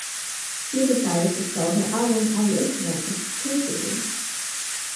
She decided to sell her album on the Internet exclusively.